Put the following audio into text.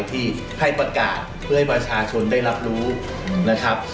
ที่ให้ประกาศเพื่อให้ประชาชนได้รับรู้นะครับ